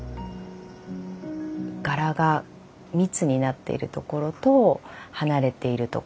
柄が密になっている所と離れている所。